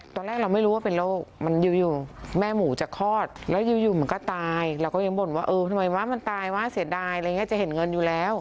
ตอนแรกเราไม่รู้ว่าเป็นโรคมันอยู่แม่หมูจะคลอดแล้วอยู่มันก็ตายเราก็ยังบ่นว่าเออทำไมวะมันตายวะเสียดายอะไรอย่างนี้จะเห็นเงินอยู่แล้ว